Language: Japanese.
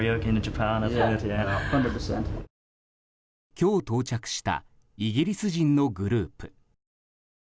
今日到着したイギリス人のグループ。